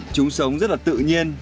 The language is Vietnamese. chúng sống rất là tự nhiên